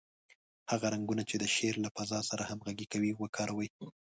هغه رنګونه چې د شعر له فضا سره همغږي کوي، وکاروئ.